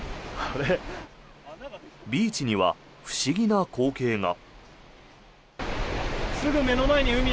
ビーチには不思議な光景が。